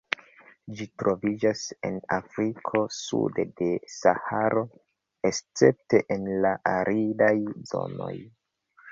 Ĝi troviĝas en Afriko sude de Saharo, escepte en la aridaj zonoj.